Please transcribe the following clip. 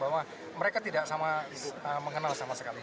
saya jelaskan bahwa mereka tidak sama mengenal sama sekali